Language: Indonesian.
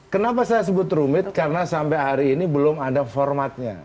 kenapa saya sebut rumit karena sampai hari ini belum ada formatnya